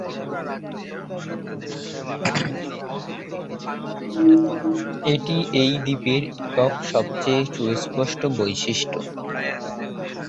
এটি এই দ্বীপের একক সবচেয়ে সুস্পষ্ট বৈশিষ্ট্য।